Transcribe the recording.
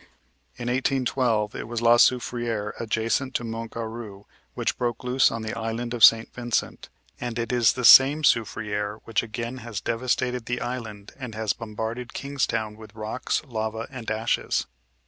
In 1812 it was La Soufriere adjacent to Mont Garou which broke loose on the island of St. Vincent, and it is the same Soufriere which again has devastated the island and has bombarded Kingstown with rocks, lava and ashes.